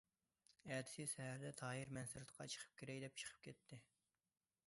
ئەتىسى سەھەردە تاھىر« مەن سىرتقا چىقىپ كېرەي» دەپ چىقىپ كەتتى.